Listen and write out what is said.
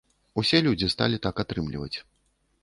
Усе людзі сталі так атрымліваць.